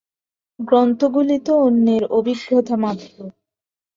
গ্রন্থগুলি তো অন্যের অভিজ্ঞতা মাত্র।